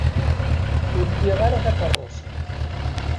Ur liɣ ara takeṛṛust.